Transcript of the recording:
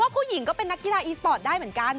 ผู้หญิงก็เป็นนักกีฬาอีสปอร์ตได้เหมือนกัน